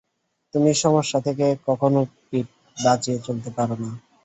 তুমি সমস্যা থেকে কখনও পিঠ বাঁচিয়ে চলতে পারো না।